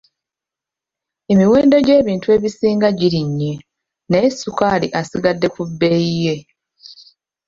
Emiwendo gy'ebintu ebisinga girinnye naye ssukaali asigadde ku bbeeyi ye.